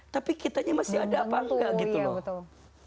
tapi kitanya masih ada apa enggak gitu loh